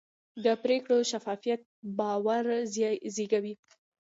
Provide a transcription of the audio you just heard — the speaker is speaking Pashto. د پرېکړو شفافیت باور زېږوي